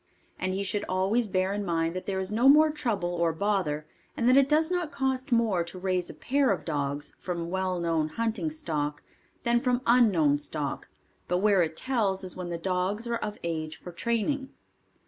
And he should always bear in mind that there is no more trouble or bother and that it does not cost more to raise a pair of dogs from well known hunting stock than from unknown stock but where it tells is when the dogs are of age for training.